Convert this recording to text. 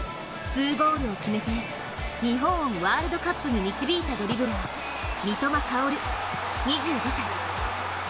２ゴールを決めて、日本をワールドカップに導いたドリブラー・三笘薫２４歳。